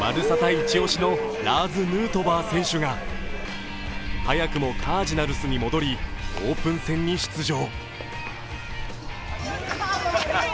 一押しのラーズ・ヌートバー選手が早くもカージナルスに戻りオープン戦に出場。